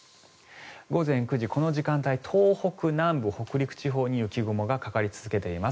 午前９時、この時間帯東北南部、北陸地方に雪雲がかかり続けています。